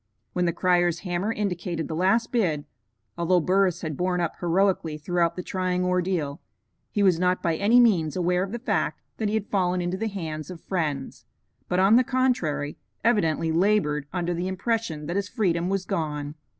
When the crier's hammer indicated the last bid, although Burris had borne up heroically throughout the trying ordeal, he was not by any means aware of the fact that he had fallen into the hands of friends, but, on the contrary, evidently labored under the impression that his freedom was gone.